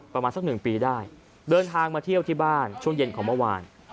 ประมาณสักหนึ่งปีได้เดินทางมาเที่ยวที่บ้านช่วงเย็นของเมื่อวาน